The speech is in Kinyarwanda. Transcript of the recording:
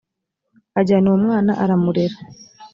ajyana uwo mwana aramurera